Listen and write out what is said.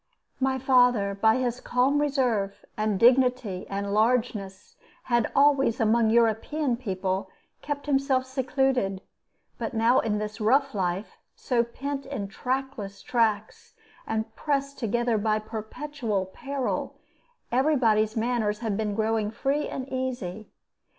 My father, by his calm reserve and dignity and largeness, had always, among European people, kept himself secluded; but now in this rough life, so pent in trackless tracts, and pressed together by perpetual peril, every body's manners had been growing free and easy.